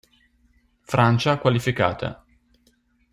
Francia qualificata.